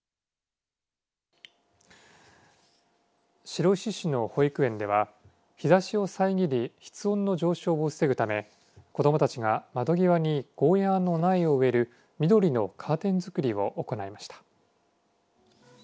白石市の保育園では日ざしを遮り室温の上昇を防ぐため子どもたちが窓際にゴーヤーの苗を植える緑のカーテンづくりを行いました。